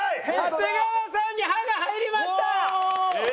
長谷川さんに歯が入りました！